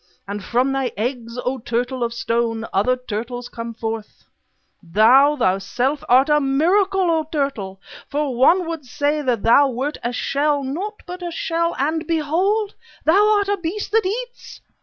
And from thy eggs, O turtle of stone, other turtles come forth_. "_Thou thyself art a miracle, O turtle! For one would say that thou wert a shell, naught but a shell, and behold! thou art a beast that eats.